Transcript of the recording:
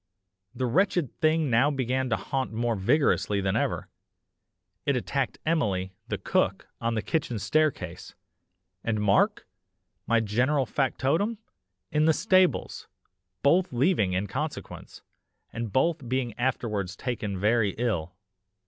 The wretched thing now began to haunt more vigorously than ever. It attacked Emily, the cook, on the kitchen staircase, and Mark, my general factotum, in the stables, both leaving in consequence, and both being afterwards taken very ill.